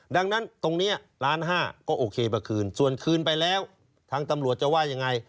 ดังนั้นตรงนี้ล้านห้าก็โอเคมาคืนส่วนคืนไปแล้วทางตำรวจจะว่ายังไง